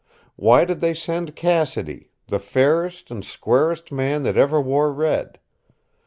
Why did they send Cassidy the fairest and squarest man that ever wore red?